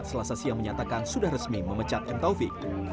selasa siang menyatakan sudah resmi memecat m taufik